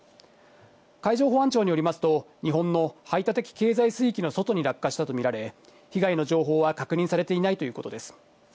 海上保安庁によりますと、日本の排他的経済水域の外に落下したと見られ、被害の情報は確認されていないということです。